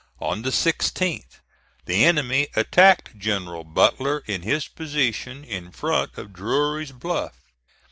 On the 16th, the enemy attacked General Butler in his position in front of Drury's Bluff.